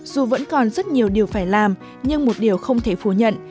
dù vẫn còn rất nhiều điều phải làm nhưng một điều không thể phủ nhận